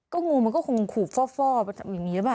ก็งูมันก็คงขู่ฟ่ออย่างนี้แบบ